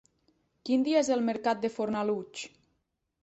Quin dia és el mercat de Fornalutx?